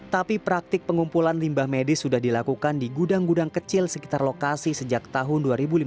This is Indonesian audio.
tapi praktik pengumpulan limbah medis sudah dilakukan di gudang gudang kecil sekitar lokasi sejak tahun dua ribu lima belas